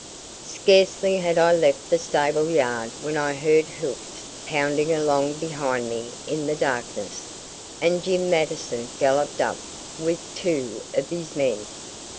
Scarcely had I left the stable yard when I heard hoofs pounding along behind me in the darkness, and Jim Mattison galloped up with two of his men.